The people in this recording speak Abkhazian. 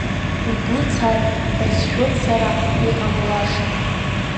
Лгәы цар ҳәа сшәоит, сара иҟамлаша.